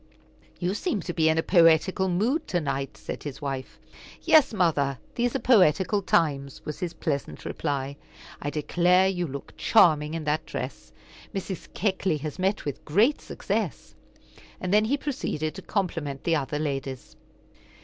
"You seem to be in a poetical mood to night," said his wife. "Yes, mother, these are poetical times," was his pleasant reply. "I declare, you look charming in that dress. Mrs. Keckley has met with great success." And then he proceeded to compliment the other ladies.